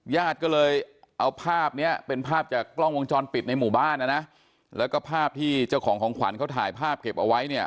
ญาติก็เลยเอาภาพเนี้ยเป็นภาพจากกล้องวงจรปิดในหมู่บ้านนะนะแล้วก็ภาพที่เจ้าของของขวัญเขาถ่ายภาพเก็บเอาไว้เนี่ย